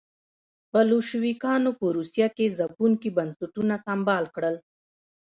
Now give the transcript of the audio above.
بلشویکانو په روسیه کې ځپونکي بنسټونه سمبال کړل.